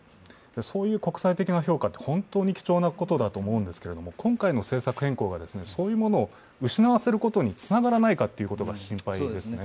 そういう国際的な評価は本当に貴重なことだと思うんですけど今回の政策変更がそういうものを失わせることにつながらないかというのが心配ですね。